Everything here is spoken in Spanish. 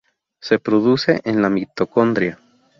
Se produce en la mitocondria.